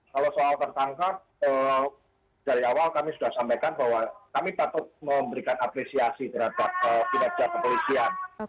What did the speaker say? kalau soal tertangkap dari awal kami sudah sampaikan bahwa kami patut memberikan apresiasi terhadap kinerja kepolisian